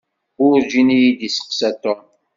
Werǧin iyi-d-isteqsa Tom.